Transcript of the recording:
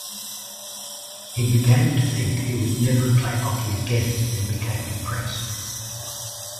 He began to think he would never play hockey again and became depressed.